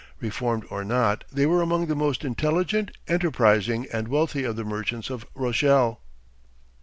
Reformed or not, they were among the most intelligent, enterprising, and wealthy of the merchants of Rochelle.